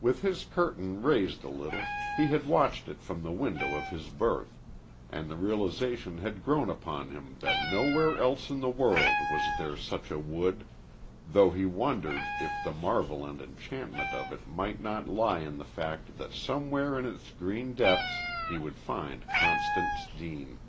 With his curtain raised a little, he had watched it from the window of his berth, and the realization had grown upon him that nowhere else in the world was there such a wood, though he wondered if the marvel and enchantment of it might not lie in the fact that somewhere in its green depths he would find Constance Deane.